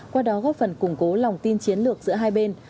qua đó góp phần củng cố lòng tin chiến lược giữa hai bên